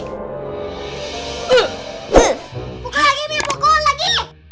pukul lagi mi pukul lagi